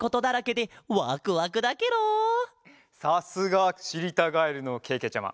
さすがしりたガエルのけけちゃま。